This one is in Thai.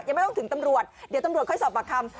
ยังไม่ต้องถึงตำรวจเดี๋ยวตำรวจค่อยสอบปากคำ